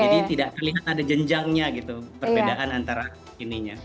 jadi tidak terlihat ada jenjangnya gitu perbedaan antara ininya